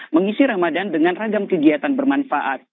mengisi ramadan dengan ragam kegiatan bermanfaat